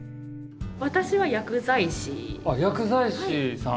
私は薬剤師さん。